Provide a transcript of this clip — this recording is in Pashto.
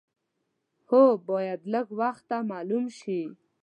هو باید لږ وخته معلوم شي.